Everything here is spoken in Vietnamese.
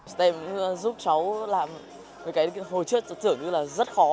stem giúp cháu làm cái hồi trước tưởng như là rất khó